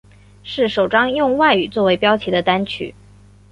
是首张用外语作为标题的单曲。